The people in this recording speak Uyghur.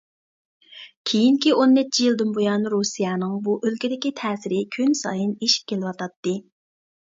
كېيىنكى ئون نەچچە يىلدىن بۇيان رۇسىيەنىڭ بۇ ئۆلكىدىكى تەسىرى كۈنسايىن ئېشىپ كېلىۋاتاتتى.